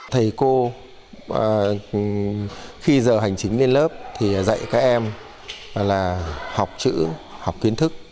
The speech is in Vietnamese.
thầy cô khi giờ hành chính lên lớp thì dạy các em là học chữ học kiến thức